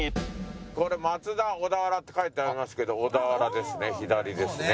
これ「松田」「小田原」って書いてありますけど小田原ですね。